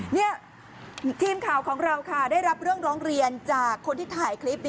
นี่ทีมข่าวของเราค่ะได้รับเรื่องร้องเรียนจากคนที่ถ่ายคลิป